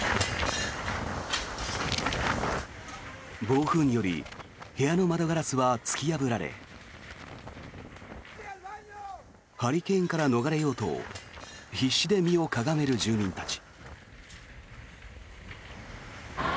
暴風により部屋の窓ガラスは突き破られハリケーンから逃れようと必死で身をかがめる住民たち。